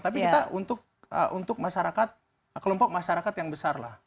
tapi kita untuk masyarakat kelompok masyarakat yang besar lah